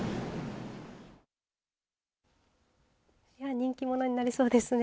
人気者になりそうですね。